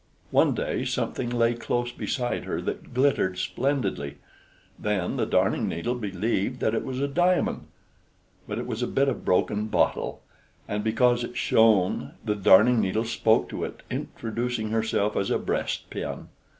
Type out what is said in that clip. One day something lay close beside her that glittered splendidly; then the Darning needle believed that it was a diamond; but it was a bit of broken bottle; and because it shone the Darning needle spoke to it, introducing herself as a breastpin.